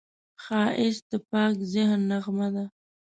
ښایست د پاک ذهن نغمه ده